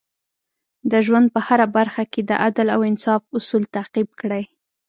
د ژوند په هره برخه کې د عدل او انصاف اصول تعقیب کړئ.